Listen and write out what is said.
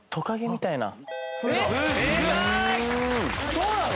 そうなの！？